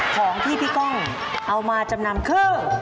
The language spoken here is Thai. ของที่พี่ก้องเอามาจำนำคือ